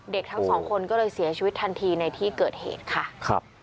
เด็กทั้ง๒คนก็เลยเสียชีวิตทันทีในที่เกิดเหตุค่ะ